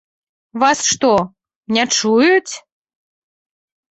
Вас што, не чуюць?